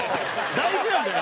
大事なんだよ！